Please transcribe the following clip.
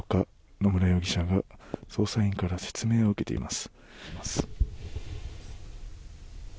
野村容疑者が捜査員から説明を受けています。